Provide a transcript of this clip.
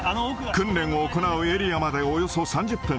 訓練を行うエリアまで、およそ３０分。